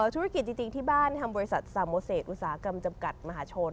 ธุรกิจจริงที่บ้านทำบริษัทสาโมเศษอุตสาหกรรมจำกัดมหาชน